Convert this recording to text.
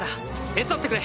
手伝ってくれ！